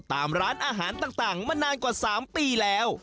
ตามร้านอาหารต่างมานานกว่า๓ปีแล้ว